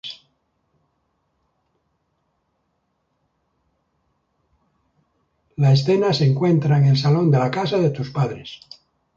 La escena se encuentra en el salón de la casa de sus padres.